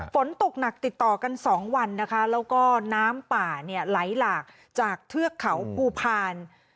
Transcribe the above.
ฝนตกหนักติดต่อกันสองวันนะคะแล้วก็น้ำป่าเนี่ยไหลหลากจากเทือกเขาภูพาล